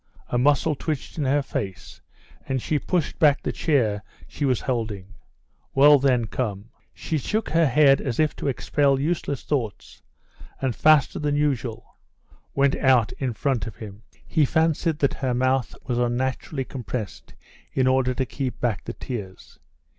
A muscle twitched in her face and she pushed back the chair she was holding. "Well then, come!" She shook her head as if to expel useless thoughts, and, faster than usual, went on in front of him. He fancied that her mouth was unnaturally compressed in order to keep back the tears.